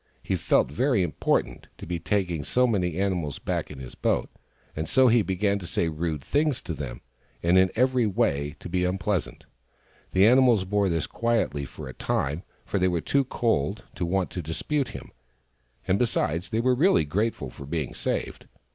He felt very important, to be taking so many animals back in his boat ; and so he began to say rude things to them, and in every way to be unpleasant. The animals bore this quietly for a time, for they were too cold to want to dispute with him, and besides, they were really very grateful for being saved.